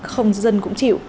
không dân cũng chịu